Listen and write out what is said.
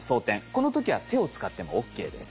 この時は手を使ってもＯＫです。